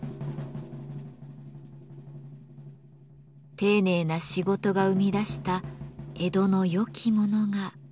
丁寧な仕事が生み出した江戸のよきものがここにありました。